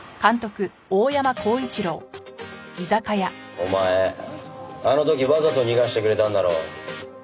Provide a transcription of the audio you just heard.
お前あの時わざと逃がしてくれたんだろ？